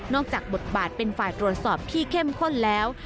จากบทบาทเป็นฝ่ายตรวจสอบที่เข้มข้นแล้ว